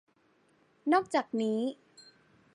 นอกจากนี้